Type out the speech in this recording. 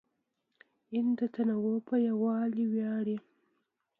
هند د تنوع په یووالي ویاړي.